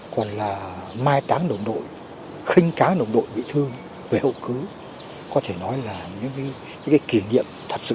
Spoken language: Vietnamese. còn là mai táng đồng đội khinh cá đồng đội bị thương về hậu cứu có thể nói là những cái kỷ niệm thật sự